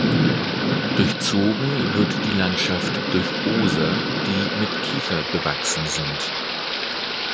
Durchzogen wird die Landschaft durch Oser die mit Kiefer bewachsen sind.